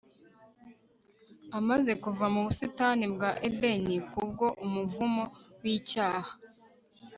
amaze kuva mu busitani bwa edeni kubwo umuvumo w'icyaha